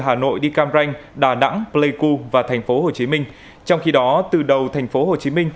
hà nội đi cam ranh đà nẵng pleiku và tp hcm trong khi đó từ đầu tp hcm